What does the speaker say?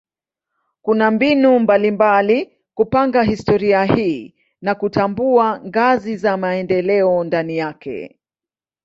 Kuna mbinu mbalimbali kupanga historia hii na kutambua ngazi za maendeleo ndani yake.